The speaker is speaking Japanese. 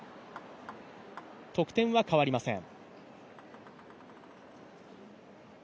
得点は変わりません。